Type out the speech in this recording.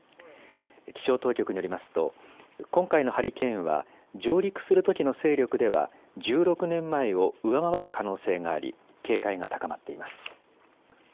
気象当局によりますと今回のハリケーンは上陸するときの勢力では１６年前を上回る可能性があり、警戒が高まっています。